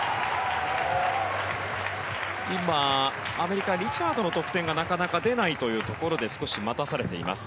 今、アメリカリチャードの得点がなかなか出ないというところで少し待たされています。